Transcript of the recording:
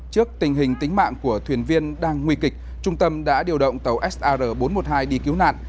trước tình hình tính mạng của thuyền viên đang nguy kịch trung tâm đã điều động tàu sr bốn trăm một mươi hai đi cứu nạn